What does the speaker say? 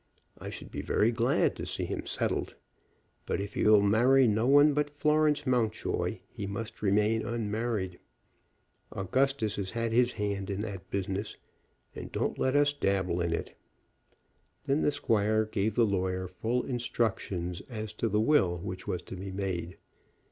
I should be very glad to see him settled. But if he will marry no one but Florence Mountjoy he must remain unmarried. Augustus has had his hand in that business, and don't let us dabble in it." Then the squire gave the lawyer full instructions as to the will which was to be made.